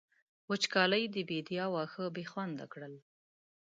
وچکالۍ د بېديا واښه بې خونده کړل.